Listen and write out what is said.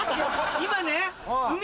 今ね。